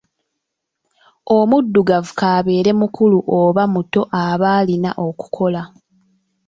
Omuddugavu kaabeere mukulu oba muto, ab'alina okukola.